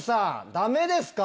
ダメですか？